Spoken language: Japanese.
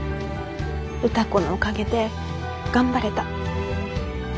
歌子のおかげで頑張れた。